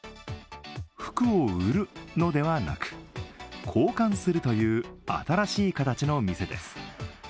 服を売るのではなく交換するという新しい形の店です。